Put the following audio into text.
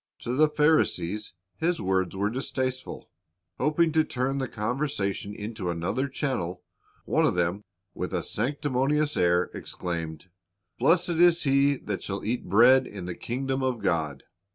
To the Pharisees His words were distasteful. Hoping to turn the conversation into another channel, one of them, with a sanctimonious air, exclaimed, "Blessed is he that shall eat bread in the kingdom of God."